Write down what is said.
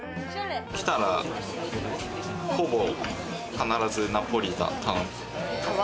来たら、ほぼ必ずナポリタンを頼む。